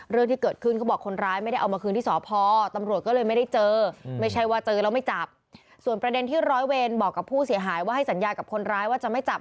เรื่องที่เกิดขึ้นก็บอกคนร้ายไม่ได้เอามาคืนที่สภ